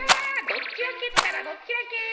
どっちらけったらどっちらけ！